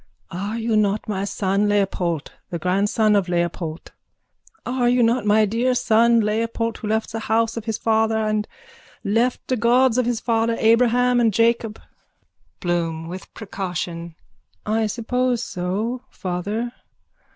_ Are you not my son Leopold, the grandson of Leopold? Are you not my dear son Leopold who left the house of his father and left the god of his fathers Abraham and Jacob? BLOOM: (With precaution.) I suppose so, father.